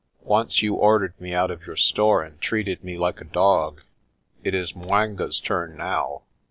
"Once you or dered me out of your store and treated me like a dog. It is 'Mwanga's turn now.